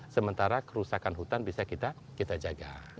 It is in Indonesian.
sementara kerusakan hutan bisa kita jaga